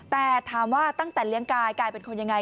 แต่ถามว่าตั้งแต่เลี้ยงกายกลายเป็นคนยังไง